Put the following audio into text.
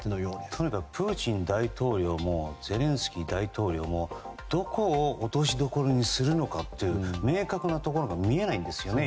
とにかくプーチン大統領もゼレンスキー大統領もどこを落としどころにするのかという明確なところが見えないんですよね